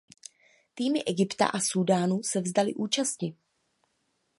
Týmy Egypta a Súdánu se vzdaly účasti.